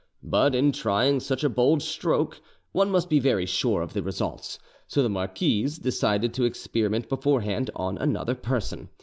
But in trying such a bold stroke one must be very sure of results, so the marquise decided to experiment beforehand on another person.